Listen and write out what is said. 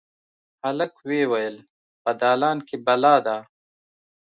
هلک ویې ویل: «په دالان کې بلا ده.»